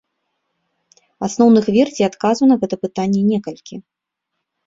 Асноўных версій адказу на гэта пытанне некалькі.